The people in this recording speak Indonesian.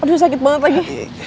aduh sakit banget lagi